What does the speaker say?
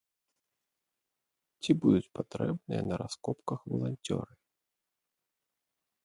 Ці будуць патрэбныя на раскопках валанцёры?